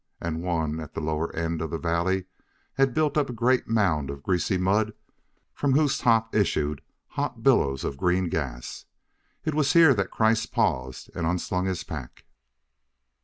And one, at the lower end of the valley had built up a great mound of greasy mud from whose top issued hot billows of green gas. It was here that Kreiss paused and unslung his pack.